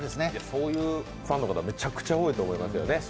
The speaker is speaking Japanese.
そういうファンの方、めちゃくちゃ多いと思うんですよね。